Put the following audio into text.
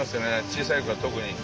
小さい子は特に。